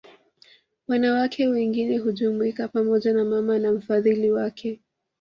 Wanawake wengine hujumuika pamoja na mama na mfadhili wake